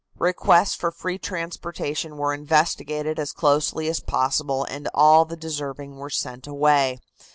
Requests for free transportation were investigated as closely as possible and all the deserving were sent away.